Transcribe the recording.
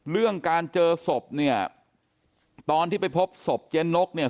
เรื่องการเจอศพเนี่ยตอนที่ไปพบศพเจ๊นกเนี่ย